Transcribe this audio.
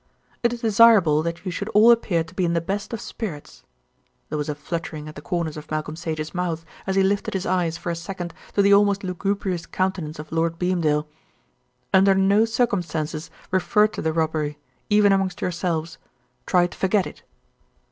"It is desirable that you should all appear to be in the best of spirits." There was a fluttering at the corners of Malcolm Sage's mouth, as he lifted his eyes for a second to the almost lugubrious countenance of Lord Beamdale. "Under no circumstances refer to the robbery, even amongst yourselves. Try to forget it."